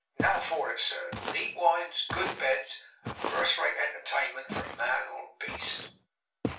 Now for it, sir. Neat wines, good beds, and first rate entertainment for man or beast.